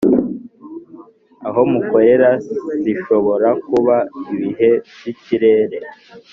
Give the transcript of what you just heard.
aho mukorera zishobora kuba ibihe by ikirere